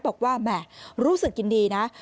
บอกว่าแหม่รู้สึกยินดีนะ